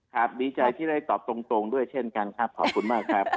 ดีใจที่ได้ตอบตรงด้วยเช่นกันครับขอบคุณมากครับ